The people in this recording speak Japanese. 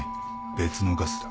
別のガスだ。